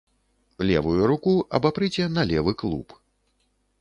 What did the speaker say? Левую руку абапрыце на левы клуб.